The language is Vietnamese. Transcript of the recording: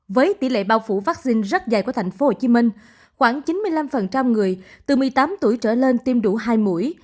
với tỷ lệ bao phủ vaccine rất dày của tp hcm khoảng chín mươi năm người từ một mươi tám tuổi trở lên tiêm đủ hai mũi